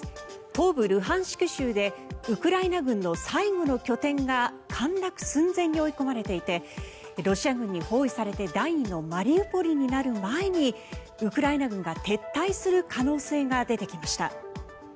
東部ルハンシク州でウクライナ軍の最後の拠点が陥落寸前に追い込まれていてロシア軍に包囲され第２のマリウポリになる前にウクライナ軍が撤退する可能性が出てきました。